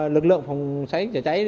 lực lượng phòng cháy cháy cháy